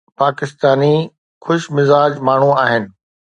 پاڪستاني خوش مزاج ماڻهو آهن